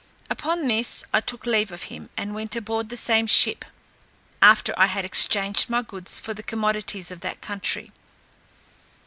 Upon this, I took leave of him, and went aboard the same ship, after I had exchanged my goods for the commodities of that country.